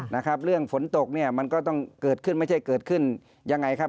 นะครับเรื่องฝนตกเนี่ยมันก็ต้องเกิดขึ้นไม่ใช่เกิดขึ้นยังไงครับ